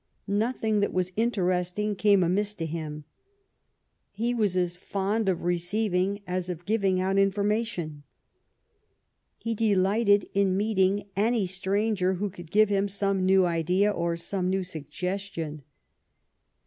Nothing that was interesting came amiss to him. He was as fond of receiving as of giving out in formation. He delighted in meeting any stranger who could give him some new idea or some new suggestion.